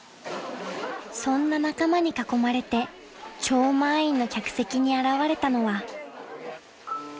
［そんな仲間に囲まれて超満員の客席に現れたのは］